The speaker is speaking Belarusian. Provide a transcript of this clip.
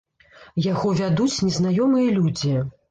Яго вядуць незнаёмыя людзі.